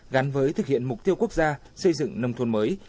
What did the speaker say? gắn với thực hiện mục tiêu quốc gia xây dựng nông thôn mới